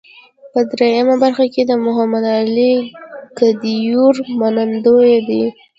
په درېیمه برخه کې د محمد علي کدیور موندنې دي.